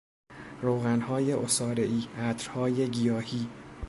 روغنهای عصارهای، عطرهای گیاهی